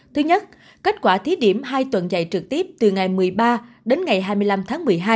thứ nhất kết quả thí điểm hai tuần dạy trực tiếp từ ngày một mươi ba đến ngày hai mươi năm tháng một mươi hai